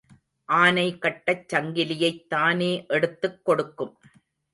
ஆனை கட்டச் சங்கிலியைத் தானே எடுத்துக் கொடுக்கும்.